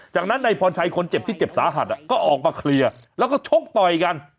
จากนั้นนายพรชัยคนเจ็บที่เจ็บสาหัสก็ออกมาเคลียร์แล้วก็ชกต่อยกัน